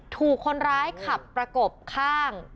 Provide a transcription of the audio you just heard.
ถูกคนร้ายขับประกบข้าง